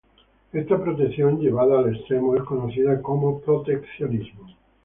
Esta protección, llevada al extremo, es conocida como proteccionismo.